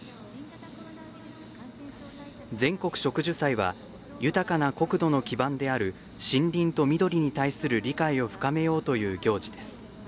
全国植樹祭は豊かな国土の基盤である森林と緑に対する理解を深めようという行事です。